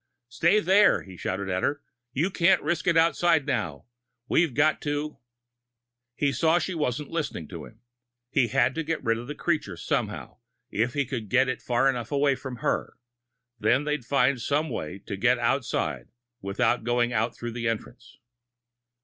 "Stay there!" he shouted at her. "You can't risk it outside now! We've got to " He saw she wasn't listening to him. He had to get rid of the creature somehow, if he could get it far enough away from her. Then they'd find some way to get outside, without going out through the entrance.